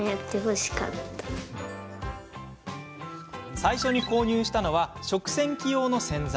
最初に購入したのは食洗機用の洗剤。